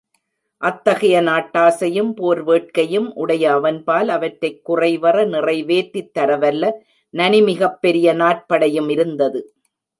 அத்தகைய நாட்டாசையும், போர் வேட்கையும் உடைய அவன்பால், அவற்றைக் குறைவற நிறைவேற்றித் தரவல்ல, நனிமிகப் பெரிய நாற்படையும் இருந்தது.